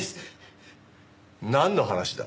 なんの話だ？